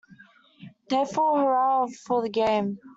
Therefore, hurrah for the game.